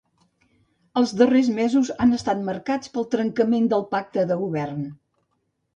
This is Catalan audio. Els darrers mesos han estat marcats pel trencament del pacte de govern